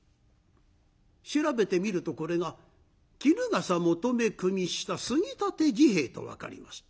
調べてみるとこれがきぬがさもと組下杉立治兵衛と分かりました。